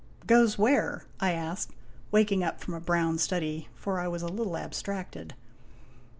" Goes where ?" I asked, waking up from a brown study, for I was a little abstracted.